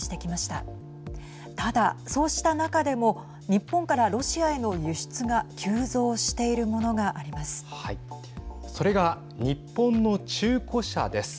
ただ、そうした中でも日本からロシアへの輸出が急増しているものがあります。